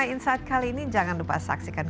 insight kali ini jangan lupa saksikan